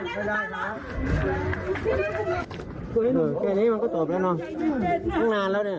เจ๊นี้มันก็ตบแล้วนานแล้วเนี่ย